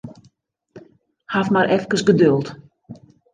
Haw mar efkes geduld.